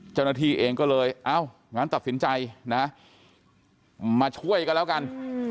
เจ้าหน้าที่เองก็เลยเอ้างั้นตัดสินใจนะมาช่วยกันแล้วกัน